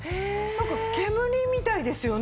なんか煙みたいですよね。